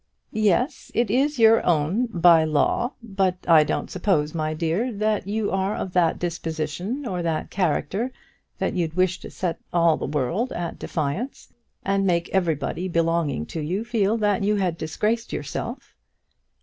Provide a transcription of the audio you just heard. "Yes, it is your own, by law; but I don't suppose, my dear, that you are of that disposition or that character that you'd wish to set all the world at defiance, and make everybody belonging to you feel that you had disgraced yourself."